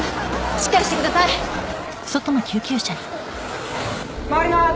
しっかりしてください回ります